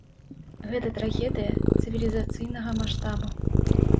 Гэта трагедыя цывілізацыйнага маштабу.